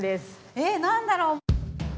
えっ何だろう？